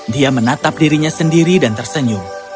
dia menatap dirinya sendiri dan tersenyum